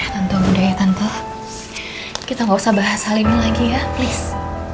tante udah ya tante kita nggak usah bahas hal ini lagi ya please